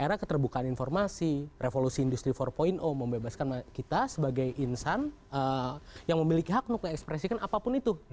era keterbukaan informasi revolusi industri empat membebaskan kita sebagai insan yang memiliki hak untuk mengekspresikan apapun itu